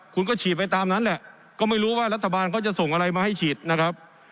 คุณก็ฉีดไปตามนั้นแหละก็ไม่รู้ว่ารัฐบาลเขาจะส่งอะไรมาให้ฉีดนะครับ